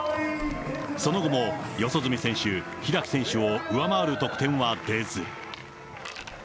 その後も四十住選手、開選手を上回る得点は出ず。